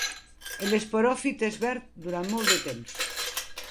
L'esporòfit és verd durant molt de temps.